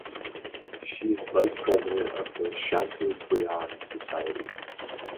She is vice president of the Chateaubriand Society.